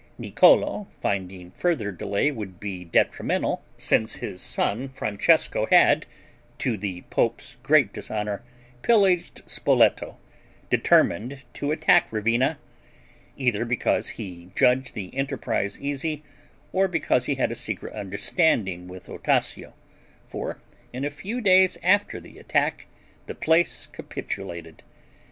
Niccolo finding further delay would be detrimental, since his son Francesco had, to the pope's great dishonor, pillaged Spoleto, determined to attack Ravenna, either because he judged the enterprise easy, or because he had a secret understanding with Ostasio, for in a few days after the attack, the place capitulated.